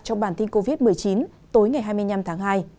trong bản tin covid một mươi chín tối ngày hai mươi năm tháng hai